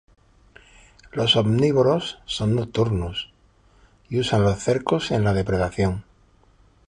Los omnívoros son nocturnos, y usan los cercos en la depredación.